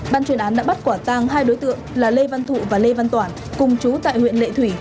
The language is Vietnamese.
ban chuyên án đã bắt quả tang hai đối tượng là lê văn thụ và lê văn toản cùng chú tại huyện lệ thủy